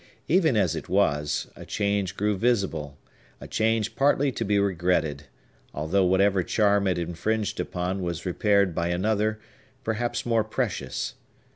Even as it was, a change grew visible; a change partly to be regretted, although whatever charm it infringed upon was repaired by another, perhaps more precious.